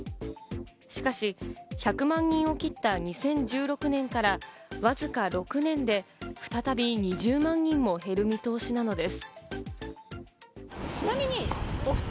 しかし１００万人を切った２０１６年からわずか６年で再び２０万人も減る見通しなのです。